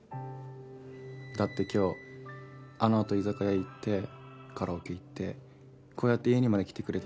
だって今日あのあと居酒屋行ってカラオケ行ってこうやって家にまで来てくれたじゃん。